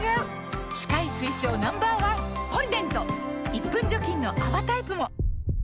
１分除菌の泡タイプも！